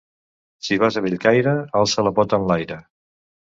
Si vas a Bellcaire, alça la pota enlaire.